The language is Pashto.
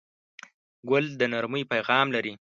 ګل د نرمۍ پیغام لري.